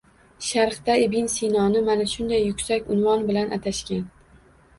Sharqda Ibn Sinoni mana shunday yuksak unvon bilan atashgan